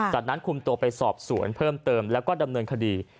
จากนั้นคุมตัวไปสอบสวนเพิ่มเติมแล้วก็ดำเนินคดี